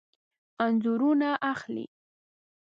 انځورونه اخلئ؟